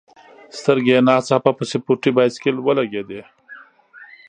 سترګي یې نا ځاپه په سپورټي بایسکل ولګېدې.